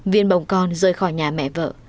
viên bồng con rơi khỏi nhà mẹ vợ